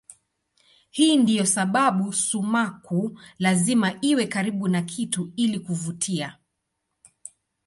Hii ndiyo sababu sumaku lazima iwe karibu na kitu ili kuvutia.